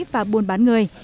và buôn bán người